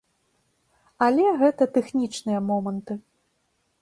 Але гэта тэхнічныя моманты.